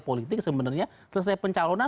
politik sebenarnya selesai pencalonan